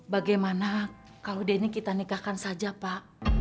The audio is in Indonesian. bagaimana kalau denny kita nikahkan saja pak